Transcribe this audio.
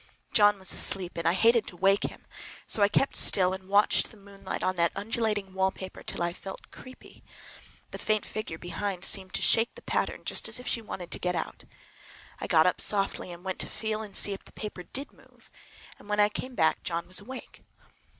John was asleep and I hated to waken him, so I kept still and watched the moonlight on that undulating wallpaper till I felt creepy. The faint figure behind seemed to shake the pattern, just as if she wanted to get out. I got up softly and went to feel and see if the paper did move, and when I came back John was awake.